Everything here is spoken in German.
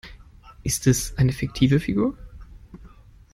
Ist es eine fiktive Figur?